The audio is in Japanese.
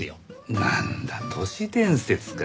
なんだ都市伝説か。